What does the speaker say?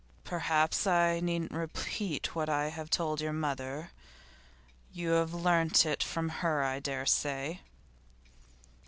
'Perhaps I needn't repeat what I have told your mother. You have learnt it from her, I dare say.